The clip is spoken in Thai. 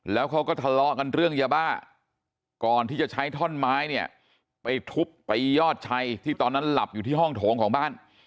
แล้วเขาก็ทะเลาะกันเรื่องยาบ้าก่อนที่จะใช้ท่อนไม้เนี่ยไปทุบไปยอดชัยที่ตอนนั้นหลับอยู่ที่ห้องโถงของบ้าน